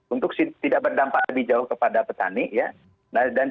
untuk tidak berdampak lebih jauh kepada petani ya